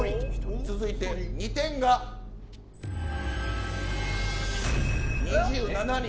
続いて２点が２７人。